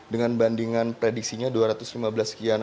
dengan bandingan prediksinya dua ratus lima belas sekian